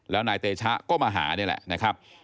แล้วนายเตชะก็มาหานี่แหละนะครับ